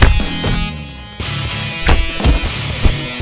lo sudah bisa berhenti